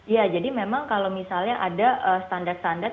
ya jadi memang kalau misalnya ada standar standar